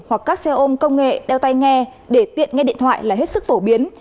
hoặc các xe ôm công nghệ đeo tay nghe để tiện nghe điện thoại là hết sức phổ biến